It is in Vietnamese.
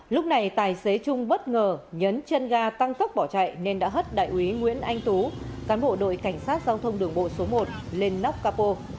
lúc này tài xế trung bất ngờ nhấn chân ga tăng tốc bỏ chạy nên đã hất đại úy nguyễn anh tú cán bộ đội cảnh sát giao thông đường bộ số một lên nóc capo